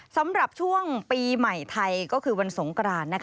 สำหรับช่วงปีใหม่ไทยก็คือวันสงกราน